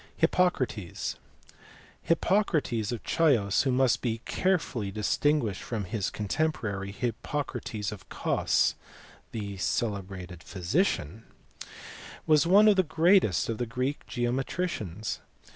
Hippocrates. Hippocrates of Chios (who must be carefully distinguished from his contemporary, Hippocrates of Cos, the celebrated physician) was one of the greatest of the Greek geometricians.